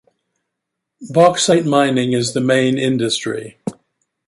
Bauxite mining is the main industry.